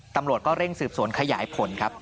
ตำรวจก็เร่งสืบสวนขยายผลครับ